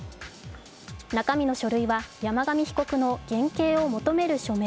中身の書類は山上被告の減軽を求める署名、